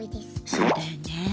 そうだよね。